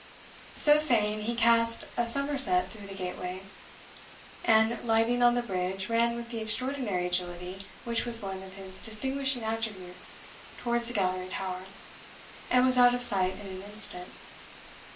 So saying, he cast a somerset through the gateway, and lighting on the bridge, ran with the extraordinary agility which was one of his distinguishing attributes towards the Gallery tower, and was out of sight in an instant.